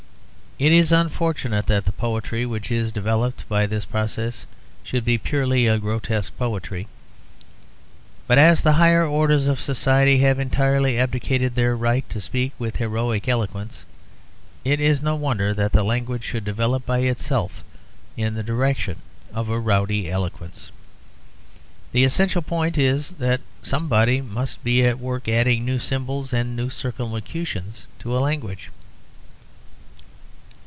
It is unfortunate that the poetry which is developed by this process should be purely a grotesque poetry. But as the higher orders of society have entirely abdicated their right to speak with a heroic eloquence, it is no wonder that the language should develop by itself in the direction of a rowdy eloquence. The essential point is that somebody must be at work adding new symbols and new circumlocutions to a language.